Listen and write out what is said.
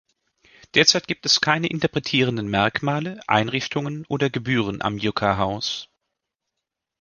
Derzeit gibt es keine interpretierende Merkmale, Einrichtungen oder Gebühren am Yucca House.